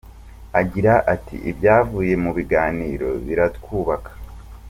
Agira ati "Ibyavuye mu biganiro biratwubaka.